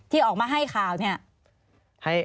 ที่ออกมาให้ข่าวเนี่ย